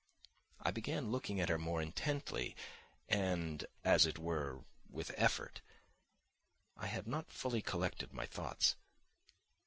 I began looking at her more intently and, as it were, with effort. I had not fully collected my thoughts.